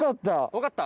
分かった？